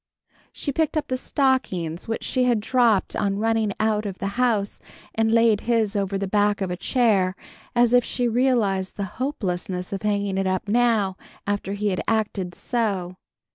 She picked up the stockings which she had dropped on running out of the house, and laid his over the back of a chair, as if she realized the hopelessness of hanging it up now, after he had acted so.